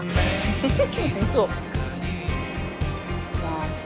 フフフ。